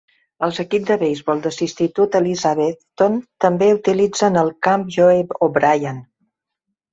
Els equips de beisbol de l'institut Elizabethton també utilitzen el camp Joe O'Brien.